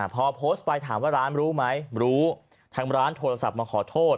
พอโพสต์ไปถามว่าร้านรู้ไหมรู้ทางร้านโทรศัพท์มาขอโทษ